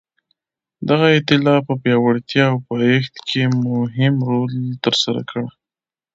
دغه ایتلاف په پیاوړتیا او پایښت کې مهم رول ترسره کړ.